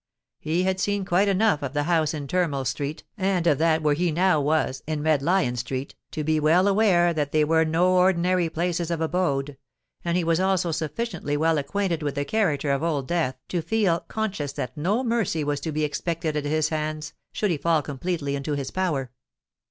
He had seen quite enough of the house in Turnmill Street and of that where he now was (in Red Lion Street) to be well aware that they were no ordinary places of abode; and he was also sufficiently well acquainted with the character of Old Death to feel conscious that no mercy was to be expected at his hands, should he fall completely into his power.